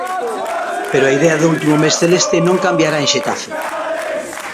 Pero a idea do último mes celeste no cambiará en Xetafe.